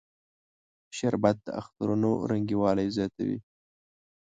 شربت د اخترونو رنگینوالی زیاتوي